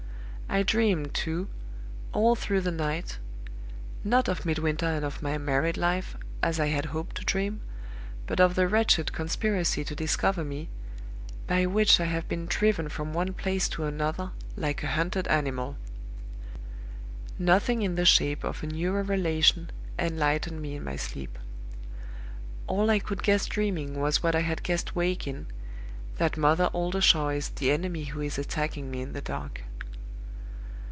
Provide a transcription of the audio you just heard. I dreamed, too, all through the night not of Midwinter and of my married life, as I had hoped to dream but of the wretched conspiracy to discover me, by which I have been driven from one place to another, like a hunted animal. Nothing in the shape of a new revelation enlightened me in my sleep. All I could guess dreaming was what I had guessed waking, that Mother Oldershaw is the enemy who is attacking me in the dark.